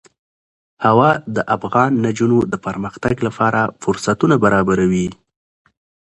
هوا د افغان نجونو د پرمختګ لپاره فرصتونه برابروي.